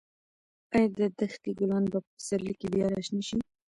ایا د دښتې ګلان به په پسرلي کې بیا راشنه شي؟